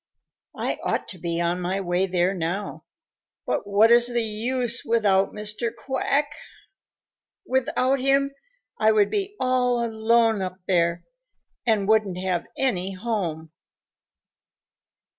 I ought to be on my way there now, but what is the use without Mr. Quack? Without him, I would be all alone up there and wouldn't have any home."